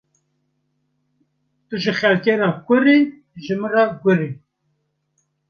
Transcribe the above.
Tu ji xelkê re kur î, ji min re gur î.